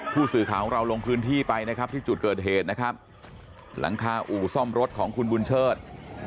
ผู้สื่อข่าวเราลงพื้นที่ไปที่จุดเกิดเหตุหลังคาอู่ซ่อมรถของคุณบุญเชิร์ฐ